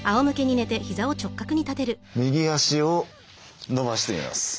右足を伸ばしてみます。